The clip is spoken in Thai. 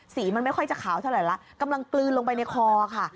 สีมันไม่ค่อยจะขาวเท่าไหร่ละกำลังกลืนลงไปในคอค่ะ